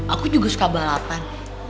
aku juga suka balapan